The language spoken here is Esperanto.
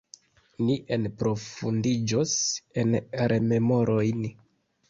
Ni enprofundiĝos en rememorojn.